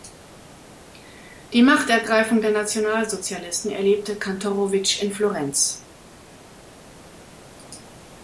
Die Machtergreifung der Nationalsozialisten erlebte Kantorowicz in Florenz.